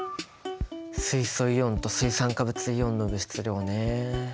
水素イオンと水酸化物イオンの物質量ねえ。